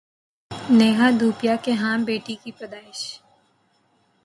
نیہا دھوپیا کے ہاں بیٹی کی پیدائش